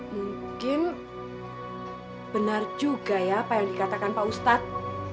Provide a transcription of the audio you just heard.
mungkin benar juga ya apa yang dikatakan pak ustadz